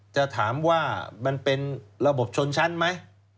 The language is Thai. จะถามว่ามันเป็นระบบชนชั้นไหม